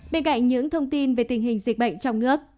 bên cạnh những thông tin về tình hình dịch bệnh trong nước